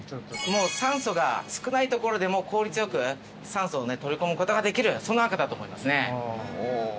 酸素が少ない所でも効率よく酸素を取り込むことができるその赤だと思いますね。